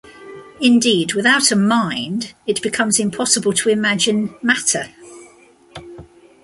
Indeed, without a "mind," it becomes impossible to imagine "matter.